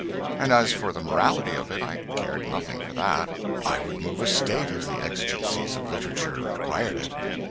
And as for the morality of it, I cared nothing for that; I would move a State if the exigencies of literature required it.